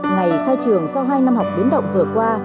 ngày khai trường sau hai năm học biến động vừa qua